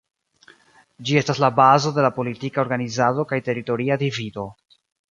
Ĝi estas la bazo de la politika organizado kaj teritoria divido.